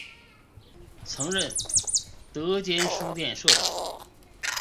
曾任德间书店社长。